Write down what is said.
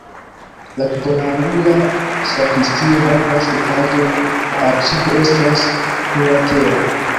La kvarangula sakristio havas etaĝon, la absido estas plurlatera.